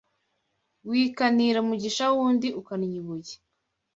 Wikanira umugisha w'undi ukannya ibuye